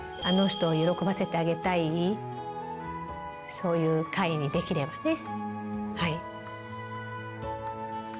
そういう会にできればねはい。